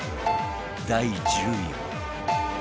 第１０位は